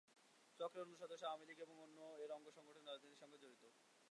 চক্রের অন্য সদস্যরাও আওয়ামী লীগ এবং এর অঙ্গসংগঠনের রাজনীতির সঙ্গে জড়িত।